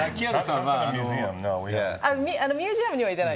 ミュージアムには行ってない